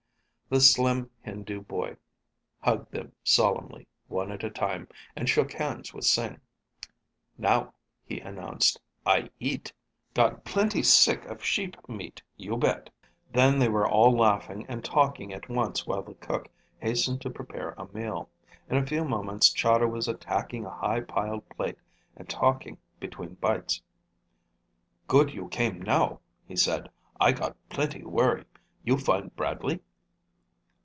The slim Hindu boy hugged them solemnly, one at a time, and shook hands with Sing. "Now," he announced, "I eat. Got plenty sick of sheep meat, you bet!" Then they were all laughing and talking at once while the cook hastened to prepare a meal. In a few moments Chahda was attacking a high piled plate and talking between bites. "Good you came now," he said. "I got plenty worry. You find Bradley?"